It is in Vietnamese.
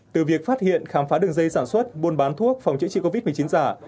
từ việc phát hiện khám phá đường dây sản xuất buôn bán thuốc phòng chữa trị covid một mươi chín giả